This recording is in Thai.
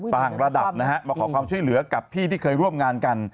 ต่างระดับนะฮะมาขอความช่วยเหลือกับพี่ที่เคยร่วมงานกัน